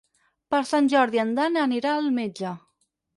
Per Sant Jordi en Dan anirà al metge.